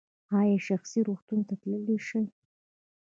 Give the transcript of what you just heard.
ایا شخصي روغتون ته تللی شئ؟